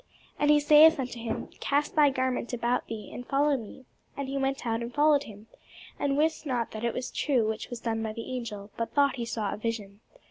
And he saith unto him, Cast thy garment about thee, and follow me. And he went out, and followed him; and wist not that it was true which was done by the angel; but thought he saw a vision.